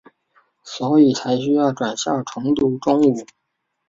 所以才需要转校重读中五。